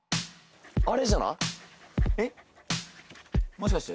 もしかして？